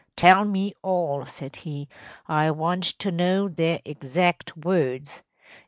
“Tell me all,‚ÄĚ said he; “I want to know their exact words.